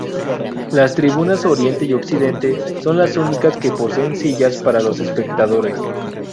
Las tribunas oriente y occidente son las únicas que poseen sillas para los espectadores.